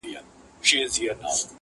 خلګ وایې شعر دی زه وام نه د زړو خبري دي-